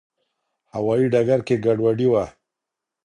هوايي ډګر کې ګډوډي وه.